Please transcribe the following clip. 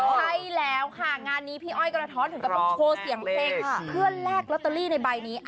ใช่แล้วค่ะงานนี้พี่อ้อยกระท้อนถึงก็ต้องโชว์เสียงเพลงเพื่อแลกลอตเตอรี่ในใบนี้